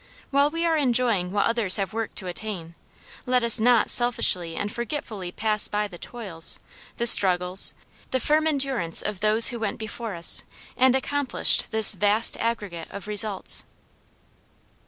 While we are enjoying what others have worked to attain, let us not selfishly and forgetfully pass by the toils, the struggles, the firm endurance of those who went before us and accomplished this vast aggregate of results.